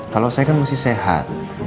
kalau saya kan mesti sehat